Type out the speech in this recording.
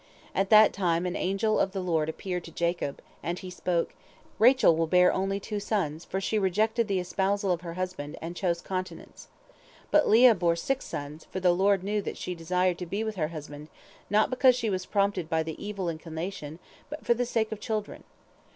At that time an angel of the Lord appeared to Jacob, and he spoke: 'Rachel will bear only two sons, for she rejected the espousal of her husband, and chose continence! But Leah bore six sons, for the Lord knew that she desired to be with her husband, not because she was prompted by the evil inclination, but for the sake of children.